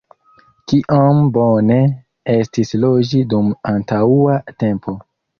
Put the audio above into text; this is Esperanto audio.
Kiom bone estis loĝi dum antaŭa tempo!